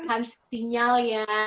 kita mengatakan sinyalnya